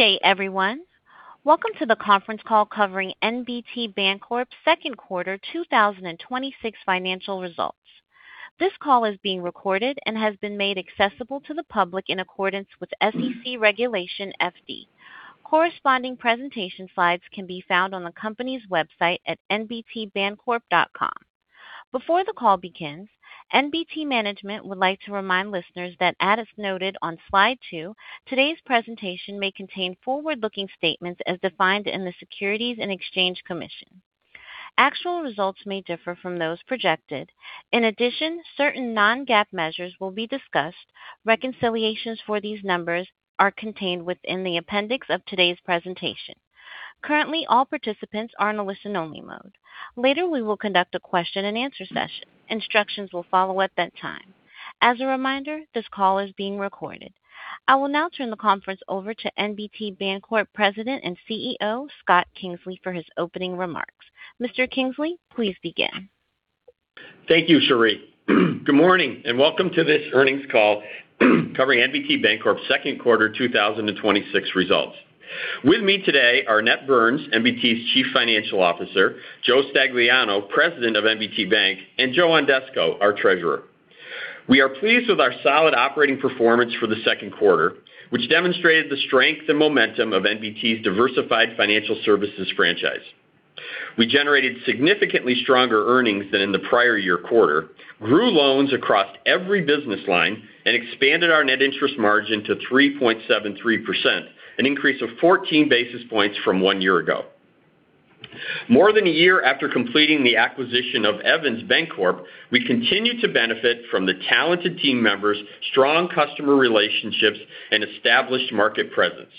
Good day, everyone. Welcome to the conference call covering NBT Bancorp's Second Quarter 2026 Financial Results. This call is being recorded and has been made accessible to the public in accordance with SEC Regulation FD. Corresponding presentation slides can be found on the company's website at nbtbancorp.com. Before the call begins, NBT management would like to remind listeners that, as noted on slide two, today's presentation may contain forward-looking statements as defined in the Securities and Exchange Commission. Actual results may differ from those projected. In addition, certain non-GAAP measures will be discussed. Reconciliations for these numbers are contained within the appendix of today's presentation. Currently, all participants are in a listen-only mode. Later, we will conduct a question and answer session. Instructions will follow at that time. As a reminder, this call is being recorded. I will now turn the conference over to NBT Bancorp President and CEO, Scott Kingsley, for his opening remarks. Mr. Kingsley, please begin. Thank you, Cherie. Good morning, and welcome to this earnings call covering NBT Bancorp's second quarter 2026 results. With me today are Annette Burns, NBT's Chief Financial Officer, Joe Stagliano, President of NBT Bank, and Joe Ondesko, our treasurer. We are pleased with our solid operating performance for the second quarter, which demonstrated the strength and momentum of NBT's diversified financial services franchise. We generated significantly stronger earnings than in the prior year quarter, grew loans across every business line, and expanded our net interest margin to 3.73%, an increase of 14 basis points from one year ago. More than a year after completing the acquisition of Evans Bancorp, we continue to benefit from the talented team members, strong customer relationships, and established market presence.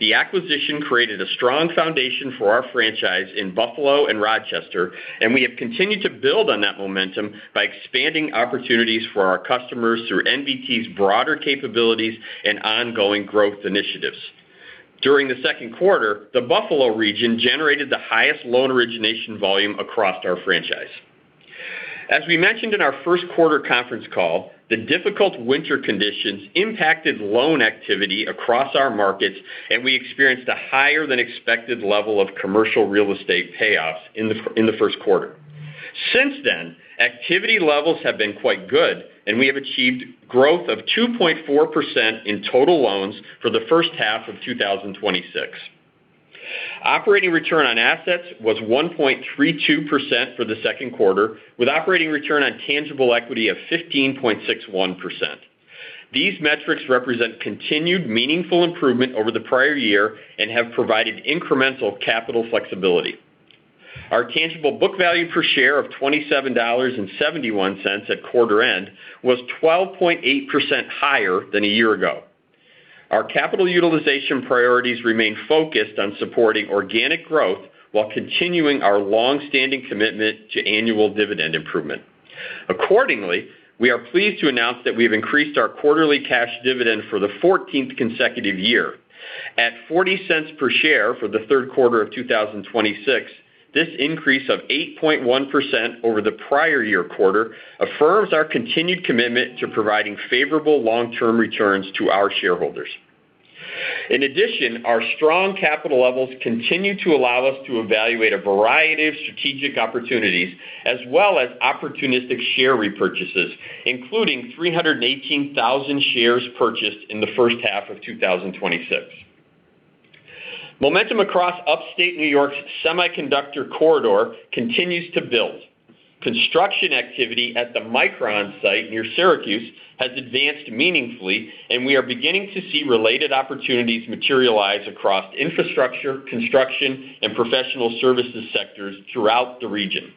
The acquisition created a strong foundation for our franchise in Buffalo and Rochester, and we have continued to build on that momentum by expanding opportunities for our customers through NBT's broader capabilities and ongoing growth initiatives. During the second quarter, the Buffalo region generated the highest loan origination volume across our franchise. As we mentioned in our first quarter conference call, the difficult winter conditions impacted loan activity across our markets, and we experienced a higher than expected level of commercial real estate payoffs in the first quarter. Since then, activity levels have been quite good, and we have achieved growth of 2.4% in total loans for the first half of 2026. Operating return on assets was 1.32% for the second quarter, with operating return on tangible equity of 15.61%. These metrics represent continued meaningful improvement over the prior year and have provided incremental capital flexibility. Our tangible book value per share of $27.71 at quarter end was 12.8% higher than a year ago. Our capital utilization priorities remain focused on supporting organic growth while continuing our longstanding commitment to annual dividend improvement. Accordingly, we are pleased to announce that we've increased our quarterly cash dividend for the 14th consecutive year. At $0.40 per share for the third quarter of 2026, this increase of 8.1% over the prior year quarter affirms our continued commitment to providing favorable long-term returns to our shareholders. In addition, our strong capital levels continue to allow us to evaluate a variety of strategic opportunities as well as opportunistic share repurchases, including 318,000 shares purchased in the first half of 2026. Momentum across Upstate N.Y.'s semiconductor corridor continues to build. Construction activity at the Micron site near Syracuse has advanced meaningfully, and we are beginning to see related opportunities materialize across infrastructure, construction, and professional services sectors throughout the region.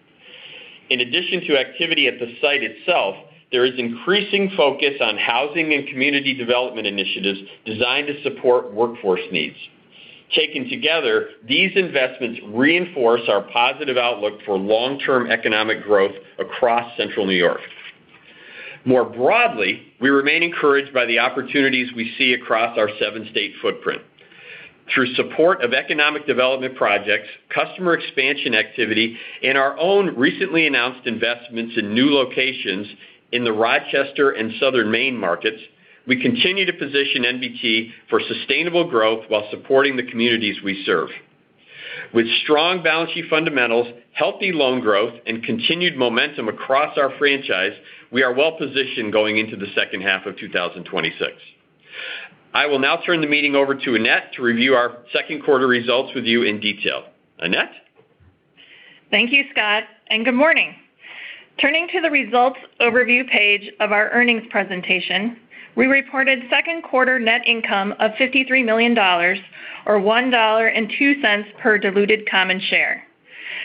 In addition to activity at the site itself, there is increasing focus on housing and community development initiatives designed to support workforce needs. Taken together, these investments reinforce our positive outlook for long-term economic growth across Central N.Y. More broadly, we remain encouraged by the opportunities we see across our seven-state footprint. Through support of economic development projects, customer expansion activity, and our own recently announced investments in new locations in the Rochester and Southern Maine markets, we continue to position NBT for sustainable growth while supporting the communities we serve. With strong balance sheet fundamentals, healthy loan growth, and continued momentum across our franchise, we are well positioned going into the second half of 2026. I will now turn the meeting over to Annette to review our second quarter results with you in detail. Annette? Thank you, Scott, and good morning. Turning to the results overview page of our earnings presentation, we reported second quarter net income of $53 million, or $1.02 per diluted common share.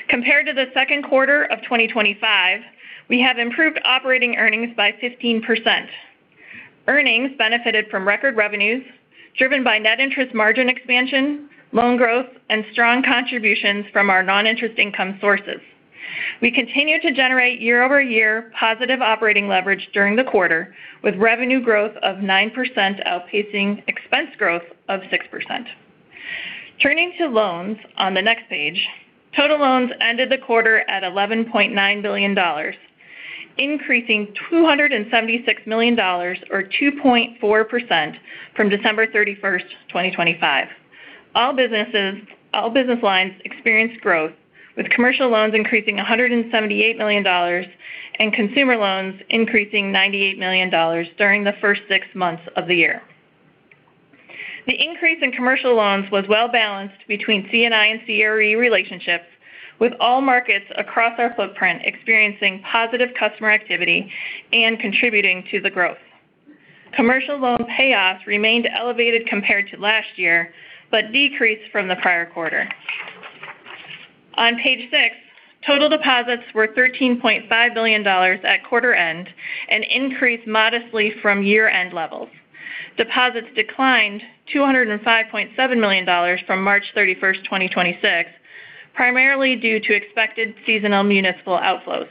Compared to the second quarter of 2025, we have improved operating earnings by 15%. Earnings benefited from record revenues driven by net interest margin expansion, loan growth, and strong contributions from our non-interest income sources. We continue to generate year-over-year positive operating leverage during the quarter, with revenue growth of 9% outpacing expense growth of 6%. Turning to loans on the next page, total loans ended the quarter at $11.9 billion, increasing $276 million or 2.4% from December 31st, 2025. All business lines experienced growth, with commercial loans increasing $178 million and consumer loans increasing $98 million during the first six months of the year. The increase in commercial loans was well-balanced between C&I and CRE relationships, with all markets across our footprint experiencing positive customer activity and contributing to the growth. Commercial loan payoffs remained elevated compared to last year but decreased from the prior quarter. On page six, total deposits were $13.5 billion at quarter end and increased modestly from year-end levels. Deposits declined $205.7 million from March 31st, 2026, primarily due to expected seasonal municipal outflows.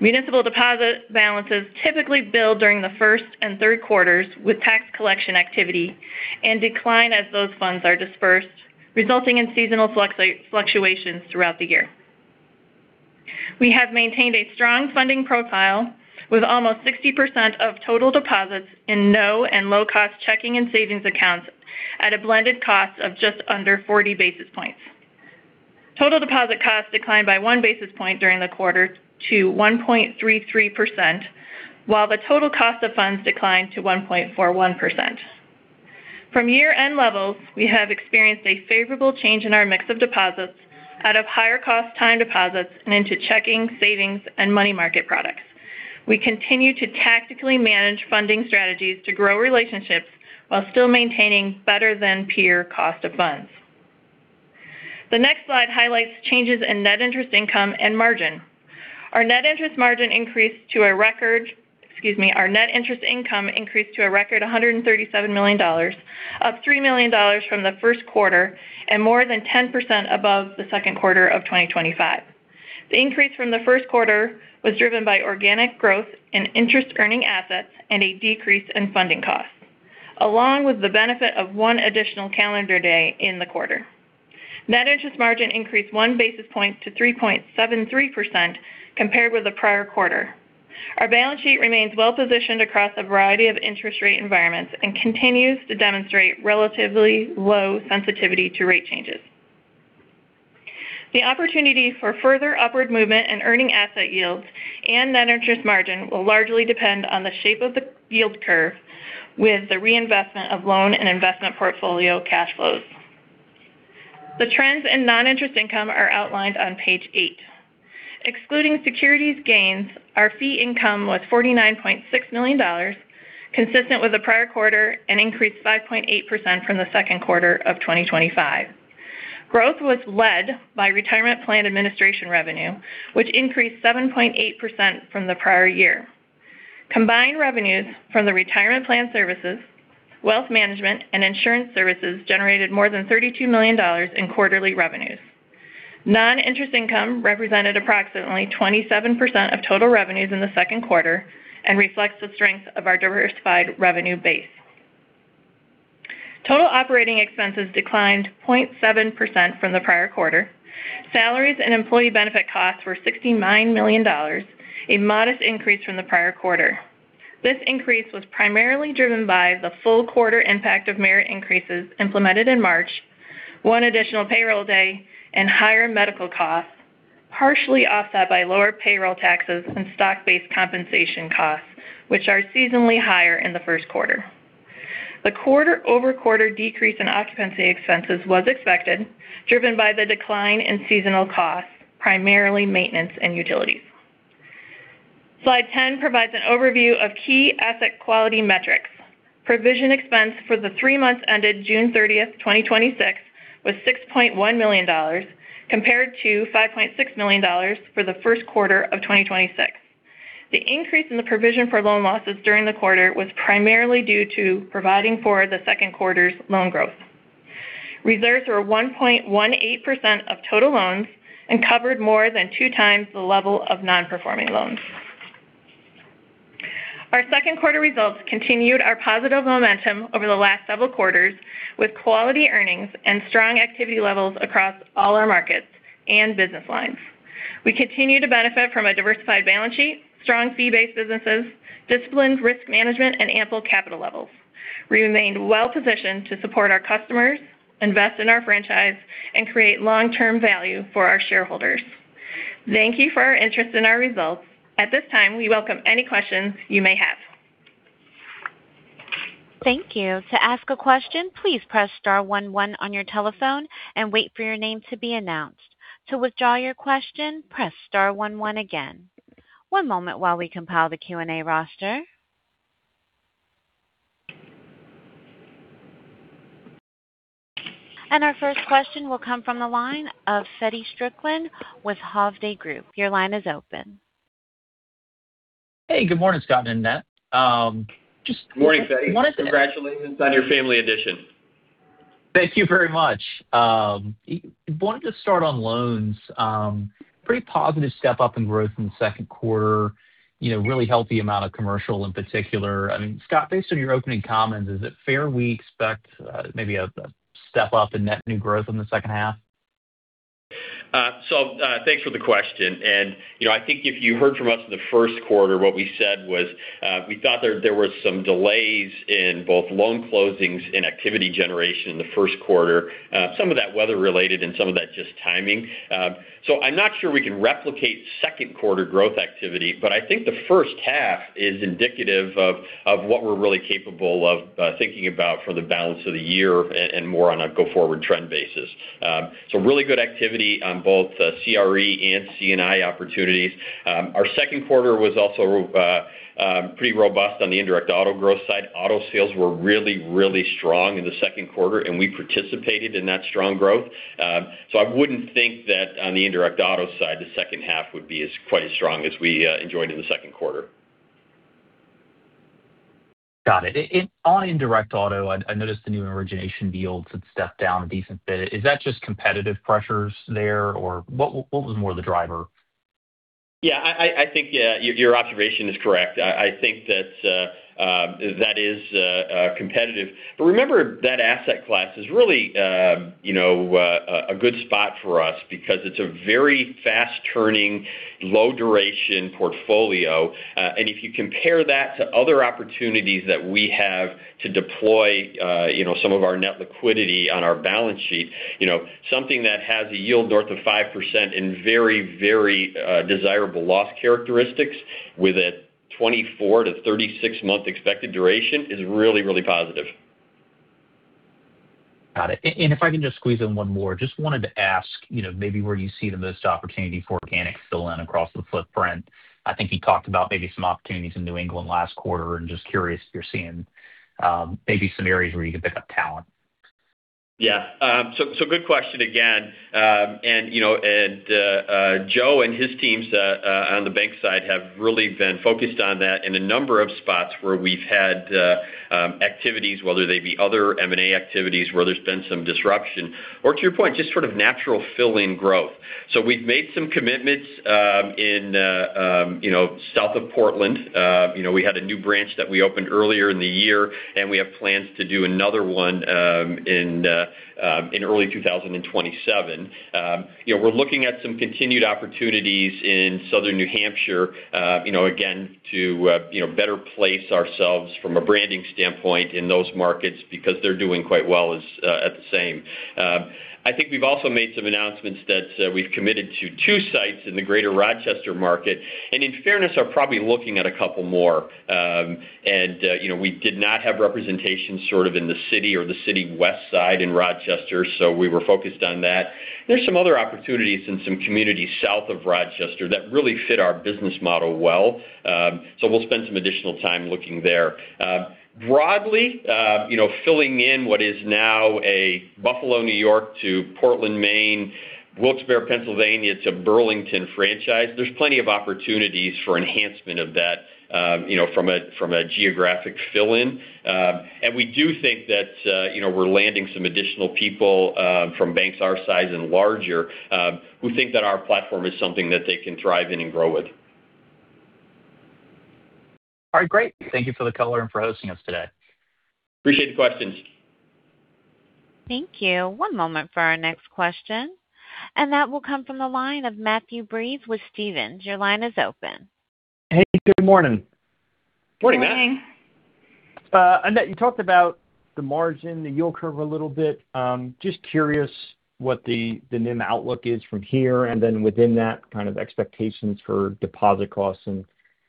Municipal deposit balances typically build during the first and third quarters with tax collection activity and decline as those funds are dispersed, resulting in seasonal fluctuations throughout the year. We have maintained a strong funding profile, with almost 60% of total deposits in no and low-cost checking and savings accounts at a blended cost of just under 40 basis points. Total deposit costs declined by one basis point during the quarter to 1.33%, while the total cost of funds declined to 1.41%. From year-end levels, we have experienced a favorable change in our mix of deposits out of higher cost time deposits and into checking, savings, and money market products. We continue to tactically manage funding strategies to grow relationships while still maintaining better than peer cost of funds. The next slide highlights changes in net interest income and margin. Our net interest income increased to a record $137 million, up $3 million from the first quarter and more than 10% above the second quarter of 2025. The increase from the first quarter was driven by organic growth in interest earning assets and a decrease in funding costs, along with the benefit of one additional calendar day in the quarter. Net interest margin increased one basis point to 3.73% compared with the prior quarter. Our balance sheet remains well-positioned across a variety of interest rate environments and continues to demonstrate relatively low sensitivity to rate changes. The opportunity for further upward movement in earning asset yields and net interest margin will largely depend on the shape of the yield curve with the reinvestment of loan and investment portfolio cash flows. The trends in non-interest income are outlined on page eight. Excluding securities gains, our fee income was $49.6 million, consistent with the prior quarter and increased 5.8% from the second quarter of 2025. Growth was led by retirement plan administration revenue, which increased 7.8% from the prior year. Combined revenues from the retirement plan services, wealth management, and insurance services generated more than $32 million in quarterly revenues. Non-interest income represented approximately 27% of total revenues in the second quarter and reflects the strength of our diversified revenue base. Total operating expenses declined 0.7% from the prior quarter. Salaries and employee benefit costs were $69 million, a modest increase from the prior quarter. This increase was primarily driven by the full quarter impact of merit increases implemented in March, one additional payroll day, and higher medical costs, partially offset by lower payroll taxes and stock-based compensation costs, which are seasonally higher in the first quarter. The quarter-over-quarter decrease in occupancy expenses was expected, driven by the decline in seasonal costs, primarily maintenance and utilities. Slide 10 provides an overview of key asset quality metrics. Provision expense for the three months ended June 30th, 2026 was $6.1 million, compared to $5.6 million for the first quarter of 2026. The increase in the provision for loan losses during the quarter was primarily due to providing for the second quarter's loan growth. Reserves were 1.18% of total loans and covered more than two times the level of non-performing loans. Our second quarter results continued our positive momentum over the last several quarters, with quality earnings and strong activity levels across all our markets and business lines. We continue to benefit from a diversified balance sheet, strong fee-based businesses, disciplined risk management, and ample capital levels. We remain well-positioned to support our customers, invest in our franchise, and create long-term value for our shareholders. Thank you for your interest in our results. At this time, we welcome any questions you may have. Thank you. To ask a question, please press star one one on your telephone and wait for your name to be announced. To withdraw your question, press star one one again. One moment while we compile the Q&A roster. Our first question will come from the line of Feddie Strickland with Hovde Group. Your line is open. Hey, good morning, Scott and Annette. Morning, Feddie. I just wanted to- Congratulations on your family addition. Thank you very much. Wanted to start on loans. Pretty positive step up in growth in the second quarter. Really healthy amount of commercial in particular. Scott, based on your opening comments, is it fair we expect maybe a step up in net new growth in the second half? Thanks for the question. I think if you heard from us in the first quarter, what we said was we thought there were some delays in both loan closings and activity generation in the first quarter. Some of that weather related and some of that just timing. I'm not sure we can replicate second quarter growth activity, but I think the first half is indicative of what we're really capable of thinking about for the balance of the year and more on a go-forward trend basis. Really good activity on both CRE and C&I opportunities. Our second quarter was also pretty robust on the indirect auto growth side. Auto sales were really, really strong in the second quarter, and we participated in that strong growth. I wouldn't think that on the indirect auto side, the second half would be quite as strong as we enjoyed in the second quarter. Got it. On indirect auto, I noticed the new origination yields had stepped down a decent bit. Is that just competitive pressures there, or what was more the driver? I think your observation is correct. I think that is competitive. Remember, that asset class is really a good spot for us because it's a very fast-turning, low-duration portfolio. If you compare that to other opportunities that we have to deploy some of our net liquidity on our balance sheet, something that has a yield north of 5% in very desirable loss characteristics with a 24-36 month expected duration is really positive. Got it. If I can just squeeze in one more, just wanted to ask maybe where you see the most opportunity for organic fill-in across the footprint. I think you talked about maybe some opportunities in New England last quarter and just curious if you're seeing maybe some areas where you can pick up talent. Yeah. Good question again. Joe and his teams on the bank side have really been focused on that in a number of spots where we've had activities, whether they be other M&A activities where there's been some disruption, or to your point, just sort of natural fill-in growth. We've made some commitments in south of Portland. We had a new branch that we opened earlier in the year, and we have plans to do another one in early 2027. We're looking at some continued opportunities in Southern New Hampshire again to better place ourselves from a branding standpoint in those markets because they're doing quite well at the same. We've also made some announcements that we've committed to two sites in the greater Rochester market, and in fairness, are probably looking at a couple more. We did not have representation sort of in the city or the city west side in Rochester, so we were focused on that. There are some other opportunities in some communities south of Rochester that really fit our business model well. We'll spend some additional time looking there. Broadly filling in what is now a Buffalo, New York to Portland, Maine, Wilkes-Barre, Pennsylvania to Burlington franchise. There's plenty of opportunities for enhancement of that from a geographic fill-in. We do think that we're landing some additional people from banks our size and larger who think that our platform is something that they can thrive in and grow with. All right, great. Thank you for the color and for hosting us today. Appreciate the questions. Thank you. One moment for our next question, and that will come from the line of Matthew Breese with Stephens. Your line is open. Hey, good morning. Morning. Good morning. Annette, you talked about the margin, the yield curve a little bit. Just curious what the NIM outlook is from here and then within that kind of expectations for deposit costs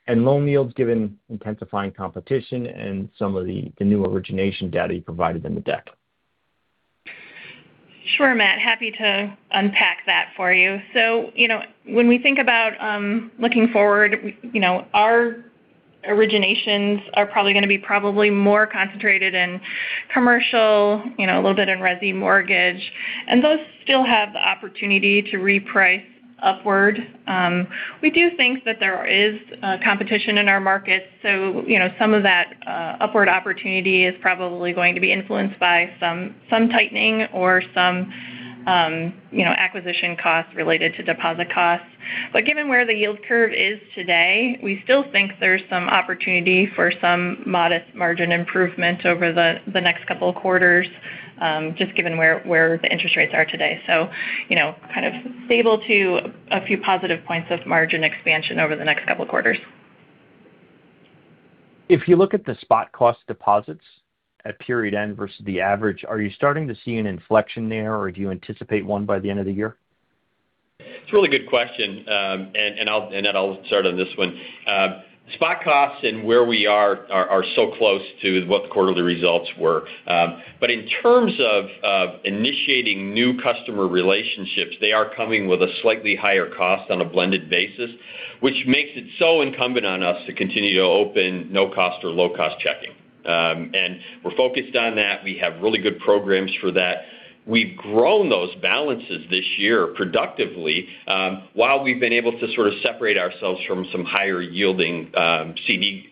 and loan yields given intensifying competition and some of the new origination data you provided in the deck. Sure Matt, happy to unpack that for you. When we think about looking forward, our originations are probably going to be more concentrated in commercial, a little bit in residential mortgage, and those still have the opportunity to reprice upward. We do think that there is competition in our markets. Some of that upward opportunity is probably going to be influenced by some tightening or some acquisition costs related to deposit costs. Given where the yield curve is today, we still think there's some opportunity for some modest margin improvement over the next couple of quarters just given where the interest rates are today. Kind of stable to a few positive points of margin expansion over the next couple of quarters. If you look at the spot cost deposits at period end versus the average, are you starting to see an inflection there, or do you anticipate one by the end of the year? It's a really good question. Annette, I'll start on this one. Spot costs and where we are are so close to what the quarterly results were. In terms of initiating new customer relationships, they are coming with a slightly higher cost on a blended basis, which makes it so incumbent on us to continue to open no-cost or low-cost checking. We're focused on that. We have really good programs for that. We've grown those balances this year productively while we've been able to sort of separate ourselves from some higher yielding CD,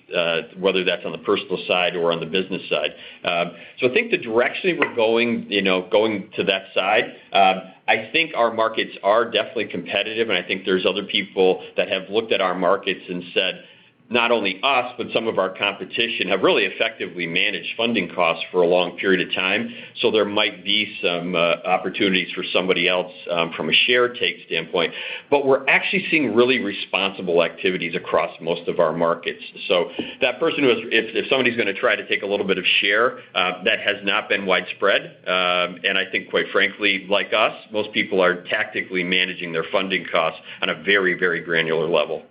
whether that's on the personal side or on the business side. I think the direction we're going to that side, I think our markets are definitely competitive, and I think there's other people that have looked at our markets and said Not only us, but some of our competition have really effectively managed funding costs for a long period of time. There might be some opportunities for somebody else from a share take standpoint. We're actually seeing really responsible activities across most of our markets. If somebody's going to try to take a little bit of share, that has not been widespread. I think quite frankly, like us, most people are tactically managing their funding costs on a very, very granular level.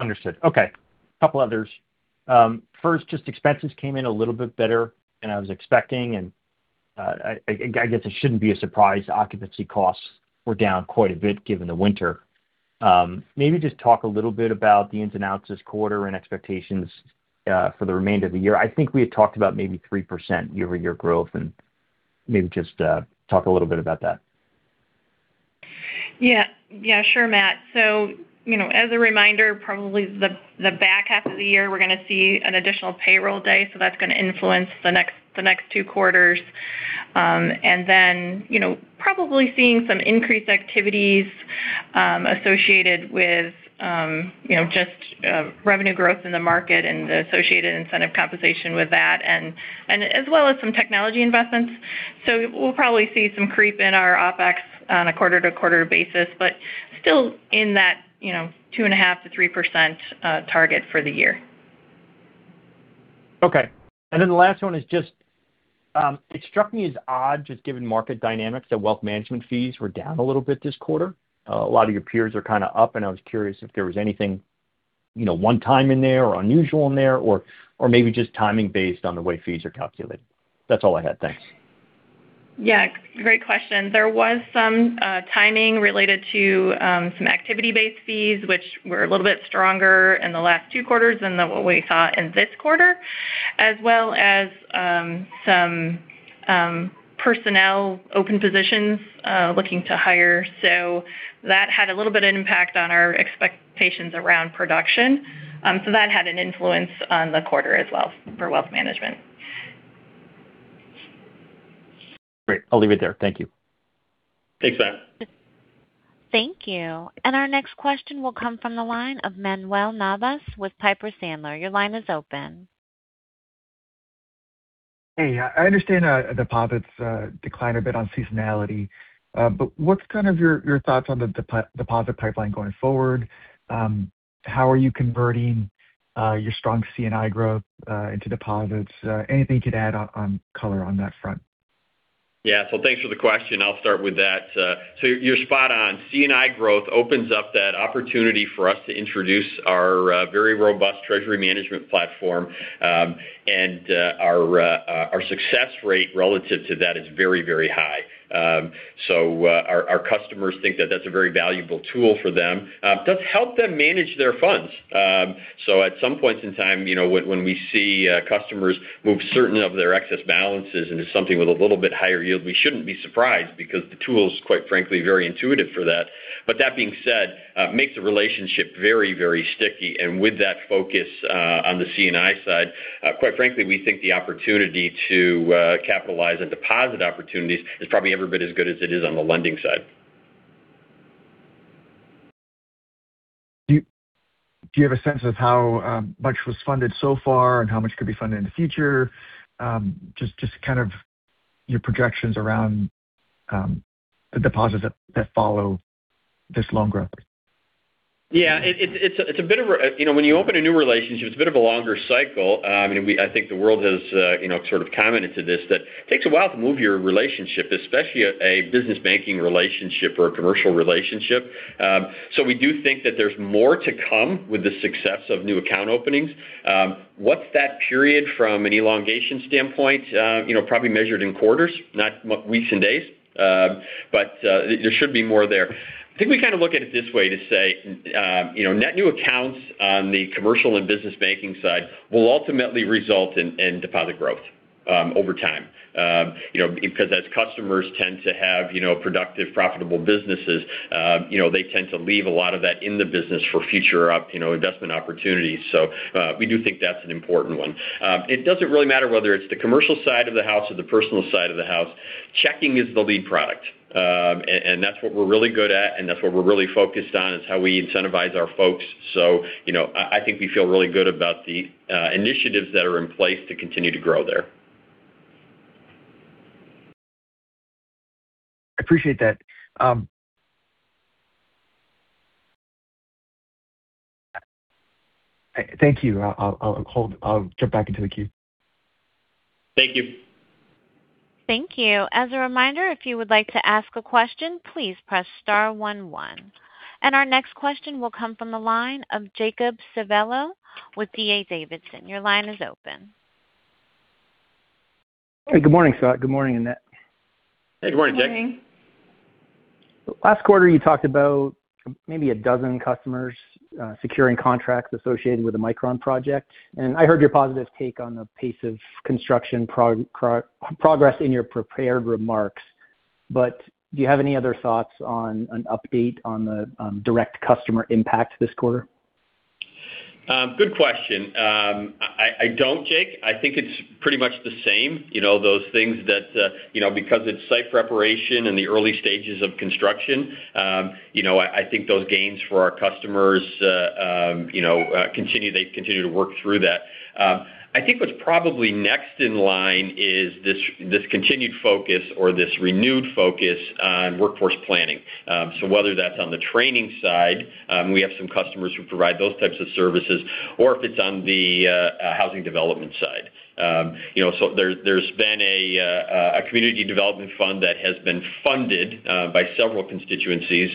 Understood. Okay. Couple others. First, expenses came in a little bit better than I was expecting. I guess it shouldn't be a surprise. Occupancy costs were down quite a bit given the winter. Maybe just talk a little bit about the ins and outs this quarter and expectations for the remainder of the year. I think we had talked about maybe 3% year-over-year growth. Maybe just talk a little bit about that. Yeah. Sure, Matt. As a reminder, probably the back half of the year, we're going to see an additional payroll day. That's going to influence the next two quarters. Then, probably seeing some increased activities associated with just revenue growth in the market and the associated incentive compensation with that. As well as some technology investments. We'll probably see some creep in our OpEx on a quarter-to-quarter basis, but still in that 2.5%-3% target for the year. Okay. The last one is, it struck me as odd, just given market dynamics, that wealth management fees were down a little bit this quarter. A lot of your peers are kind of up. I was curious if there was anything one-time in there or unusual in there, or maybe just timing based on the way fees are calculated. That's all I had. Thanks. Yeah. Great question. There was some timing related to some activity-based fees, which were a little bit stronger in the last two quarters than what we saw in this quarter, as well as some personnel open positions looking to hire. That had a little bit of impact on our expectations around production. That had an influence on the quarter as well for wealth management. Great. I'll leave it there. Thank you. Thanks, Matt. Thank you. Our next question will come from the line of Manuel Navas with Piper Sandler. Your line is open. Hey. I understand deposits declined a bit on seasonality. What's kind of your thoughts on the deposit pipeline going forward? How are you converting your strong C&I growth into deposits? Anything you could add on color on that front? Thanks for the question. I'll start with that. You're spot on. C&I growth opens up that opportunity for us to introduce our very robust treasury management platform. Our success rate relative to that is very, very high. Our customers think that that's a very valuable tool for them. Does help them manage their funds. At some points in time, when we see customers move certain of their excess balances into something with a little bit higher yield, we shouldn't be surprised because the tool's, quite frankly, very intuitive for that. That being said, makes the relationship very, very sticky. With that focus on the C&I side, quite frankly, we think the opportunity to capitalize on deposit opportunities is probably every bit as good as it is on the lending side. Do you have a sense of how much was funded so far and how much could be funded in the future? Just kind of your projections around the deposits that follow this loan growth. Yeah. When you open a new relationship, it's a bit of a longer cycle. I think the world has sort of commented to this, that it takes a while to move your relationship, especially a business banking relationship or a commercial relationship. We do think that there's more to come with the success of new account openings. What's that period from an elongation standpoint? Probably measured in quarters, not weeks and days. There should be more there. I think we kind of look at it this way to say net new accounts on the commercial and business banking side will ultimately result in deposit growth over time because as customers tend to have productive, profitable businesses, they tend to leave a lot of that in the business for future investment opportunities. We do think that's an important one. It doesn't really matter whether it's the commercial side of the house or the personal side of the house. Checking is the lead product. That's what we're really good at, and that's what we're really focused on. It's how we incentivize our folks. I think we feel really good about the initiatives that are in place to continue to grow there. I appreciate that. Thank you. I'll jump back into the queue. Thank you. Thank you. As a reminder, if you would like to ask a question, please press star one one. Our next question will come from the line of Jake Civiello with D.A. Davidson. Your line is open. Hey, good morning, Scott. Good morning, Annette. Hey, good morning, Jake. Last quarter you talked about maybe 12 customers securing contracts associated with the Micron project. I heard your positive take on the pace of construction progress in your prepared remarks. Do you have any other thoughts on an update on the direct customer impact this quarter? Good question. I don't, Jake. I think it's pretty much the same, those things that because it's site preparation in the early stages of construction. I think those gains for our customers, they continue to work through that. I think what's probably next in line is this continued focus or this renewed focus on workforce planning. Whether that's on the training side, we have some customers who provide those types of services, or if it's on the housing development side. There's been a community development fund that has been funded by several constituencies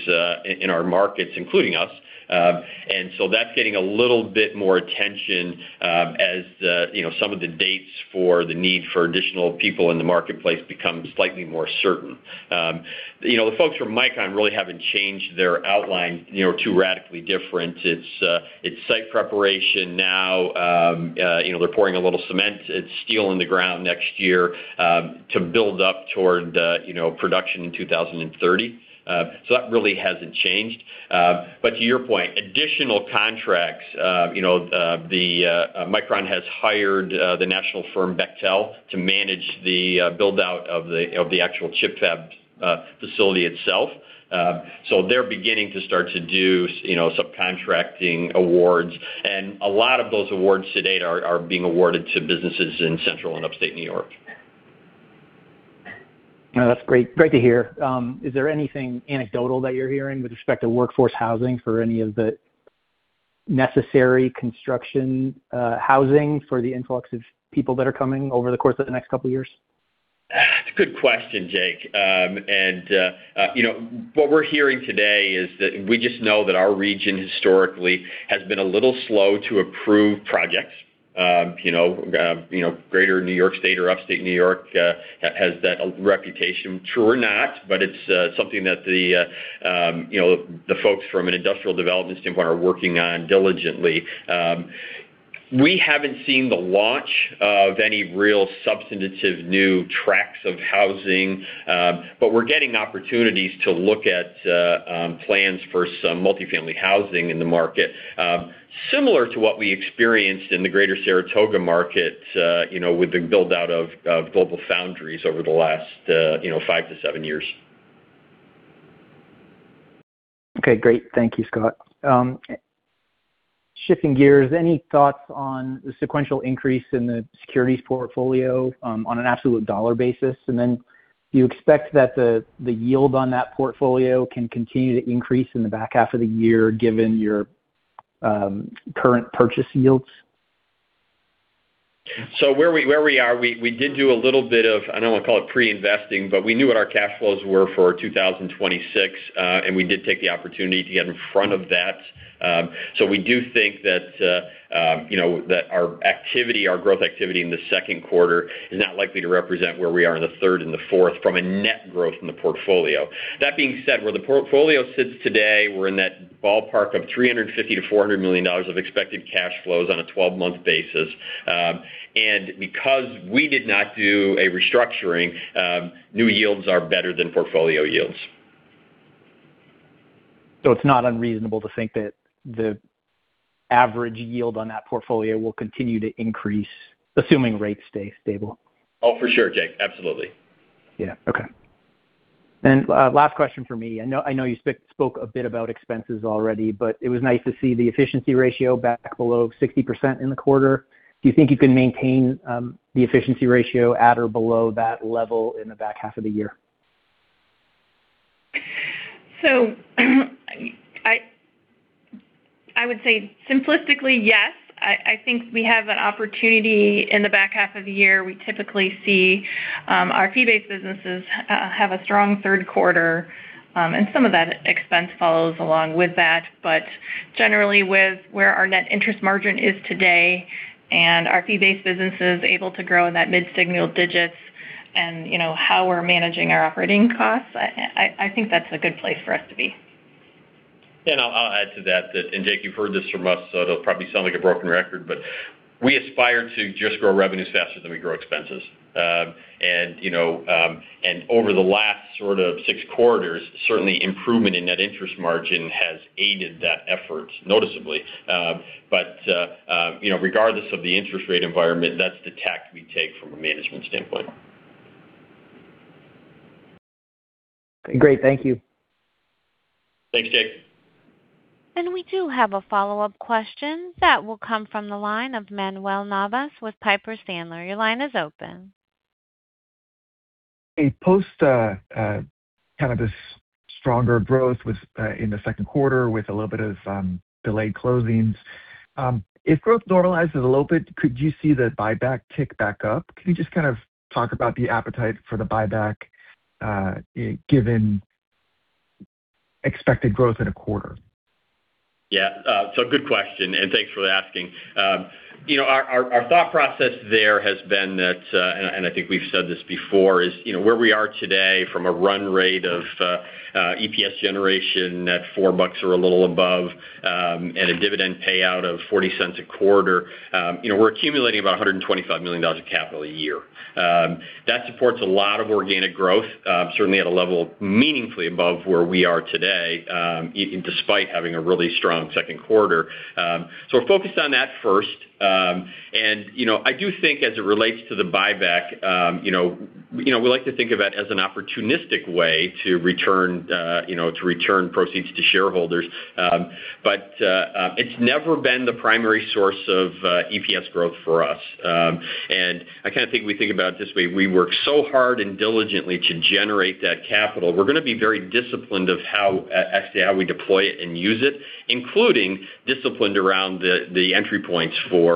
in our markets, including us. That's getting a little bit more attention as some of the dates for the need for additional people in the marketplace become slightly more certain. The folks from Micron really haven't changed their outline to radically different. It's site preparation now. They're pouring a little cement. It's steel in the ground next year to build up toward production in 2030. That really hasn't changed. To your point, additional contracts. Micron has hired the national firm Bechtel to manage the build-out of the actual chip fab facility itself. They're beginning to start to do subcontracting awards, and a lot of those awards to date are being awarded to businesses in Central and Upstate New York. No, that's great to hear. Is there anything anecdotal that you are hearing with respect to workforce housing for any of the necessary construction housing for the influx of people that are coming over the course of the next couple of years? It's a good question, Jake. What we are hearing today is that we just know that our region historically has been a little slow to approve projects. Greater New York State or Upstate New York has that reputation, true or not, but it's something that the folks from an industrial development standpoint are working on diligently. We haven't seen the launch of any real substantive new tracks of housing, but we are getting opportunities to look at plans for some multi-family housing in the market, similar to what we experienced in the greater Saratoga market with the build-out of GlobalFoundries over the last five to seven years. Okay, great. Thank you, Scott. Shifting gears, any thoughts on the sequential increase in the securities portfolio on an absolute dollar basis? Do you expect that the yield on that portfolio can continue to increase in the back half of the year given your current purchase yields? Where we are, we did do a little bit of, I don't want to call it pre-investing, but we knew what our cash flows were for 2026, and we did take the opportunity to get in front of that. We do think that our growth activity in the second quarter is not likely to represent where we are in the third and the fourth from a net growth in the portfolio. That being said, where the portfolio sits today, we are in that ballpark of $350 million-$400 million of expected cash flows on a 12-month basis. Because we did not do a restructuring, new yields are better than portfolio yields. It's not unreasonable to think that the average yield on that portfolio will continue to increase, assuming rates stay stable? For sure, Jake. Absolutely. Last question from me. I know you spoke a bit about expenses already, it was nice to see the efficiency ratio back below 60% in the quarter. Do you think you can maintain the efficiency ratio at or below that level in the back half of the year? I would say simplistically, yes. I think we have an opportunity in the back half of the year. We typically see our fee-based businesses have a strong third quarter, some of that expense follows along with that. Generally with where our net interest margin is today and our fee-based business is able to grow in that mid-single digits and how we're managing our operating costs, I think that's a good place for us to be. I'll add to that, Jake, you've heard this from us, so it'll probably sound like a broken record, but we aspire to just grow revenues faster than we grow expenses. Over the last sort of six quarters, certainly improvement in net interest margin has aided that effort noticeably. Regardless of the interest rate environment, that's the tack we take from a management standpoint. Great. Thank you. Thanks, Jake. We do have a follow-up question that will come from the line of Manuel Navas with Piper Sandler. Your line is open. A post kind of this stronger growth in the second quarter with a little bit of delayed closings. If growth normalizes a little bit, could you see the buyback tick back up? Can you just kind of talk about the appetite for the buyback given expected growth in a quarter? Yeah. Good question, and thanks for asking. Our thought process there has been that, I think we've said this before, is where we are today from a run rate of EPS generation at $4 or a little above, and a dividend payout of $0.40 a quarter. We're accumulating about $125 million of capital a year. That supports a lot of organic growth, certainly at a level meaningfully above where we are today, despite having a really strong second quarter. We're focused on that first. I do think as it relates to the buyback. We like to think of it as an opportunistic way to return proceeds to shareholders. It's never been the primary source of EPS growth for us. I think we think about it this way. We work so hard and diligently to generate that capital. We're going to be very disciplined of how, actually, we deploy it and use it, including disciplined around the entry points for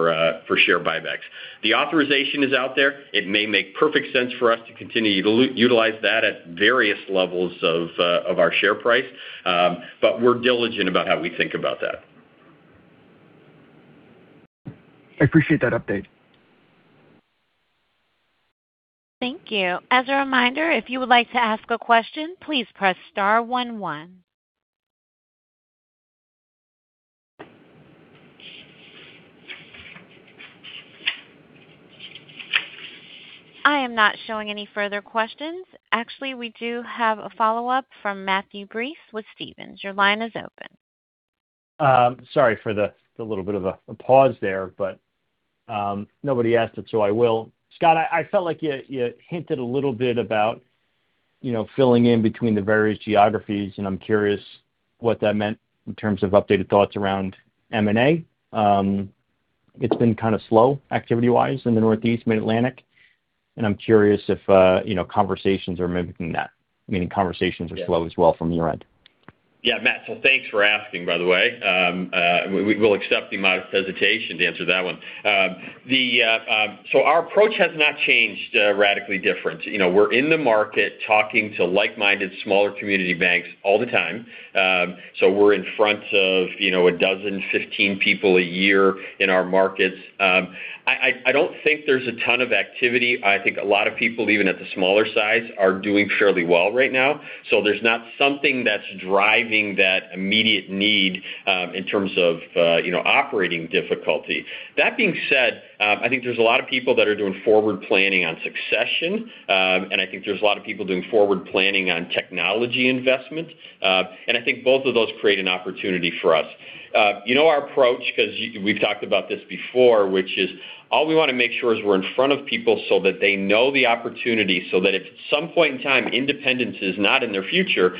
share buybacks. The authorization is out there. It may make perfect sense for us to continue to utilize that at various levels of our share price. We're diligent about how we think about that. I appreciate that update. Thank you. As a reminder, if you would like to ask a question, please press star one one. I am not showing any further questions. Actually, we do have a follow-up from Matthew Breese with Stephens. Your line is open. Sorry for the little bit of a pause there, nobody asked it, so I will. Scott, I felt like you hinted a little bit about filling in between the various geographies, and I'm curious what that meant in terms of updated thoughts around M&A. It's been kind of slow activity-wise in the Northeast, Mid-Atlantic, I'm curious if conversations are mimicking that, meaning conversations are slow as well from your end. Yeah, Matt. Thanks for asking, by the way. We'll accept the modest hesitation to answer that one. Our approach has not changed radically different. We're in the market talking to like-minded smaller community banks all the time. We're in front of a dozen, 15 people a year in our markets. I don't think there's a ton of activity. I think a lot of people, even at the smaller size, are doing fairly well right now. There's not something that's driving that immediate need in terms of operating difficulty. That being said, I think there's a lot of people that are doing forward planning on succession, I think there's a lot of people doing forward planning on technology investment. I think both of those create an opportunity for us. You know our approach because we've talked about this before, which is all we want to make sure is we're in front of people so that they know the opportunity, so that if some point in time independence is not in their future,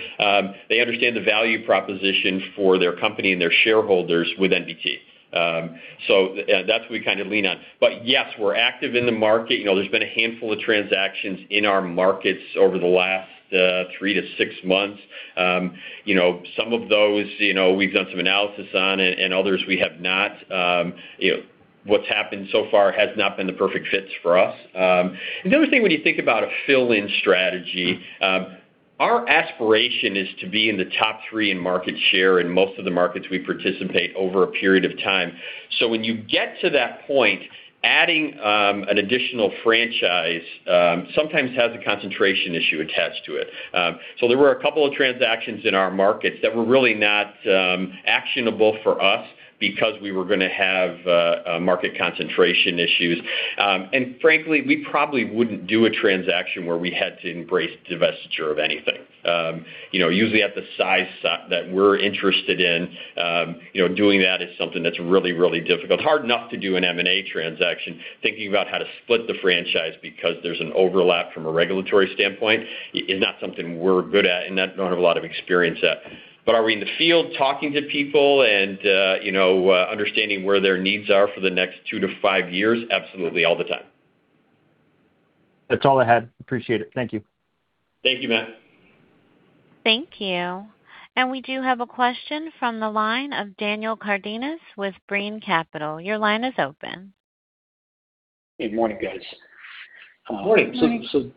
they understand the value proposition for their company and their shareholders with NBT. That's what we kind of lean on. Yes, we're active in the market. There's been a handful of transactions in our markets over the last three to six months. Some of those we've done some analysis on, and others we have not. What's happened so far has not been the perfect fits for us. The other thing, when you think about a fill-in strategy, our aspiration is to be in the top three in market share in most of the markets we participate over a period of time. When you get to that point, adding an additional franchise sometimes has a concentration issue attached to it. There were a couple of transactions in our markets that were really not actionable for us because we were going to have market concentration issues. Frankly, we probably wouldn't do a transaction where we had to embrace divestiture of anything. Usually at the size that we're interested in, doing that is something that's really, really difficult. Hard enough to do an M&A transaction. Thinking about how to split the franchise because there's an overlap from a regulatory standpoint is not something we're good at and don't have a lot of experience at. Are we in the field talking to people and understanding where their needs are for the next two to five years? Absolutely, all the time. That's all I had. Appreciate it. Thank you. Thank you, Matt. Thank you. We do have a question from the line of Daniel Cardenas with Brean Capital. Your line is open. Good morning, guys. Morning. Morning.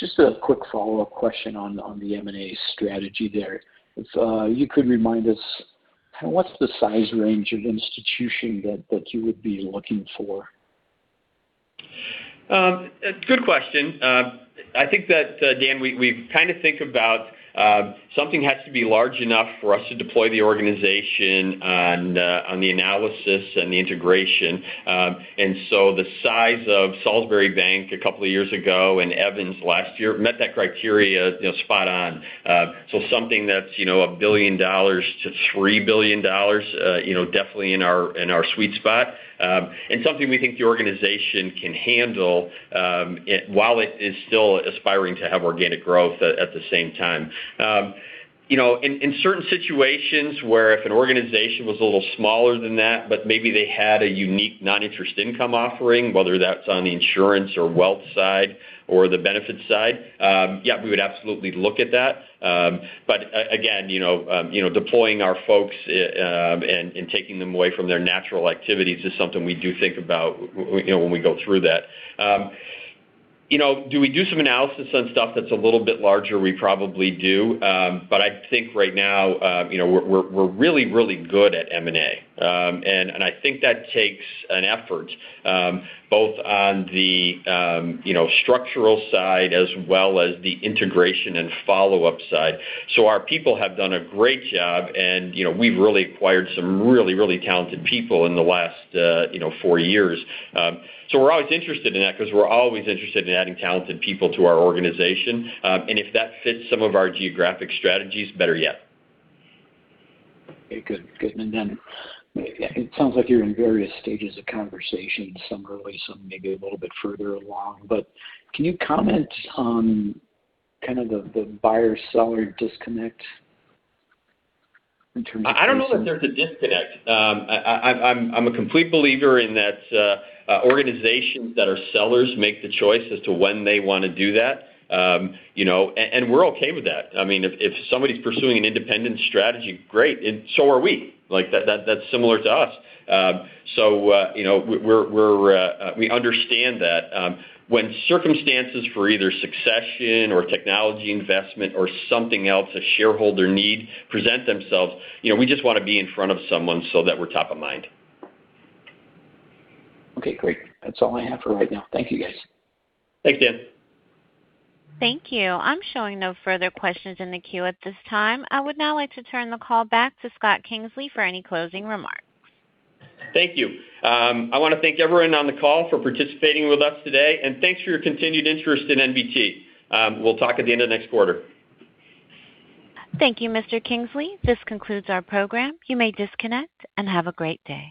Just a quick follow-up question on the M&A strategy there. If you could remind us, what's the size range of institution that you would be looking for? Good question. I think that, Dan, we kind of think about something has to be large enough for us to deploy the organization on the analysis and the integration. The size of Salisbury Bank a couple of years ago and Evans last year met that criteria spot on. Something that's $1 billion-$3 billion definitely in our sweet spot. Something we think the organization can handle while it is still aspiring to have organic growth at the same time. In certain situations where if an organization was a little smaller than that, but maybe they had a unique non-interest income offering, whether that's on the insurance or wealth side or the benefit side, yeah, we would absolutely look at that. Again, deploying our folks and taking them away from their natural activities is something we do think about when we go through that. Do we do some analysis on stuff that's a little bit larger? We probably do. I think right now, we're really, really good at M&A. I think that takes an effort both on the structural side as well as the integration and follow-up side. Our people have done a great job, and we've really acquired some really, really talented people in the last four years. We're always interested in that because we're always interested in adding talented people to our organization. If that fits some of our geographic strategies, better yet. Okay, good. It sounds like you're in various stages of conversation, some early, some maybe a little bit further along. Can you comment on kind of the buyer-seller disconnect in terms of- I don't know that there's a disconnect. I'm a complete believer in that organizations that are sellers make the choice as to when they want to do that, and we're okay with that. If somebody's pursuing an independent strategy, great. Are we. That's similar to us. We understand that. When circumstances for either succession or technology investment or something else, a shareholder need present themselves, we just want to be in front of someone so that we're top of mind. Okay, great. That's all I have for right now. Thank you, guys. Thanks, Dan. Thank you. I'm showing no further questions in the queue at this time. I would now like to turn the call back to Scott Kingsley for any closing remarks. Thank you. I want to thank everyone on the call for participating with us today, and thanks for your continued interest in NBT. We'll talk at the end of next quarter. Thank you, Mr. Kingsley. This concludes our program. You may disconnect and have a great day.